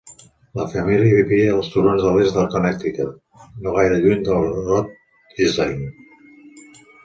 La família vivia als turons de l'est de Connecticut, no gaire lluny de Rhode Island.